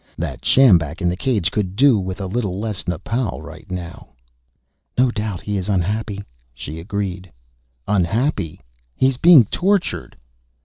"That sjambak in the cage could do with a little less napaû right now." "No doubt he is unhappy," she agreed. "Unhappy! He's being tortured!"